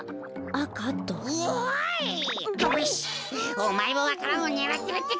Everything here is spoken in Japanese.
おまえもわか蘭をねらってるってか？